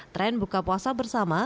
tren buka puasa bersama